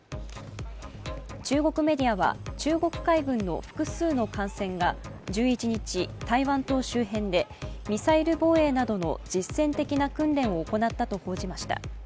中国メディアは中国海軍の複数の艦船が１１日、台湾島周辺でミサイル防衛などの実践的な訓練を行ったと報じました。